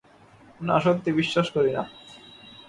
না, সত্যি বিশ্বাস করি না।